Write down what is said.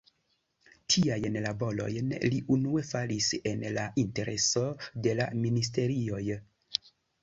Tiajn laborojn li unue faris en la intereso de la ministerioj.